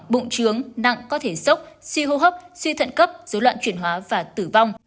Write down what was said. bụng trướng nặng có thể sốc suy hô hấp suy thận cấp dối loạn chuyển hóa và tử vong